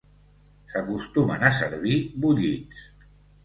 S'acostumen a servir bullits.